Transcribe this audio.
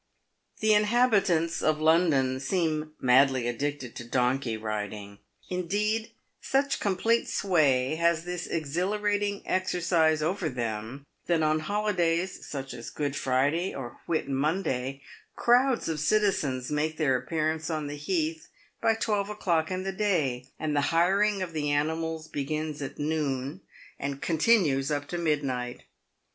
The inhabitants of London seem madly addicted to donkey riding. Indeed, such complete sway has this exhilarating exercise over them, that on holidays, such as Good Friday or Whit Monday, crowds of citizens make their appearance on the heath by twelve o'clock in the day, and the hiring of the animals begins at noon, and PAYED WITH GOLD. 195 continues up to midnight.